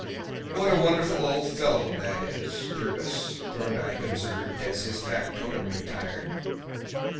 "What a wonderful old fellow that is, Jervis," Thorndyke observed as his factotum retired.